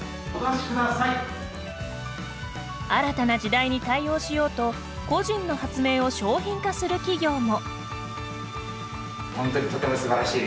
新たな時代に対応しようと個人の発明を商品化する企業も。